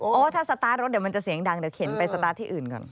เพราะว่าถ้าสตาร์ทรถเดี๋ยวมันจะเสียงดังเดี๋ยวเข็นไปสตาร์ทที่อื่นก่อน